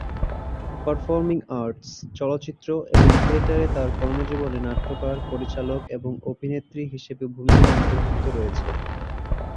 Performing arts, চলচ্চিত্র এবং থিয়েটারে তার কর্মজীবনে নাট্যকার, পরিচালক এবং অভিনেত্রী হিসেবে ভূমিকা অন্তর্ভুক্ত রয়েছে।